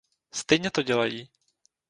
Stejně to dělají.